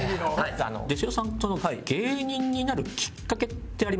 さんって芸人になるきっかけってあります？